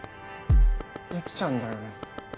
雪ちゃんだよね？